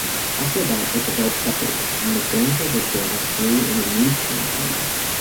After that they developed separately, and Gornja Radgona grew into a new town centre.